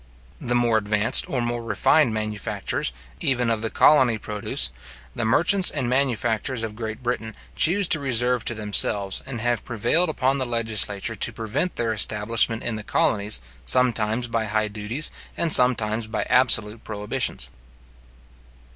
The more advanced or more refined manufactures, even of the colony produce, the merchants and manufacturers of Great Britain chuse to reserve to themselves, and have prevailed upon the legislature to prevent their establishment in the colonies, sometimes by high duties, and sometimes by absolute prohibitions.